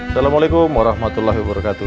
selamualaikum warahmatullahi wabarakatuh